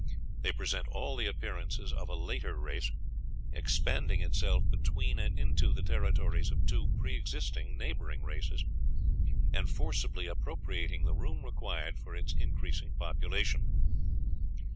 They present all the appearances of a later race, expanding itself between and into the territories of two pre existing neighboring races, and forcibly appropriating the room required for its increasing population."